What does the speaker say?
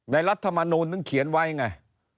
รัฐมนูลถึงเขียนไว้ไง